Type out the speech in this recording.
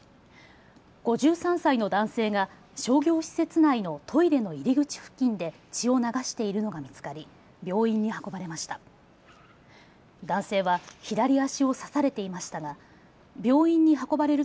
５３歳の男性が商業施設内のトイレの入り口付近で血を流しているのが見つかり病院に運ばれました。